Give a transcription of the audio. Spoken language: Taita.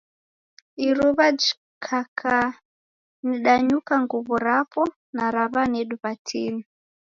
Iruw'a jikaaka nidanyuka nguw'o rapo na ra w'anedu w'atini.